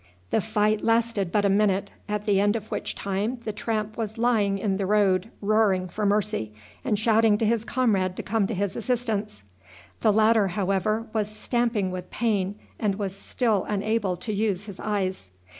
The fight lasted but a minute, at the end of which time the tramp was lying in the road roaring for mercy, and shouting to his comrade to come to his assistance. The latter, however, was stamping with pain, and was still unable to use his eyes.